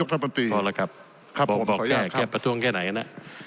กะบบอกแจบแปดท้วงแค่ไหนนะ